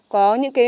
có những cái